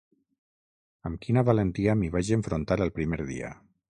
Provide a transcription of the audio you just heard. Amb quina valentia m'hi vaig enfrontar el primer dia.